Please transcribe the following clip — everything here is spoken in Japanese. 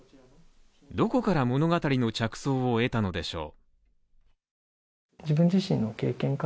どこから物語の着想を得たのでしょう。